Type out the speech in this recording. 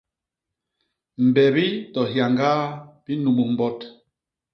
Mbebi to hyañgaa bi nnumus mbot.